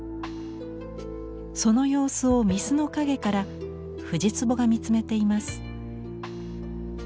その様子を御簾の陰から藤壺が見つめています。